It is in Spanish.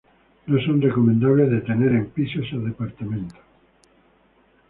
No son recomendables de tener en pisos o departamentos.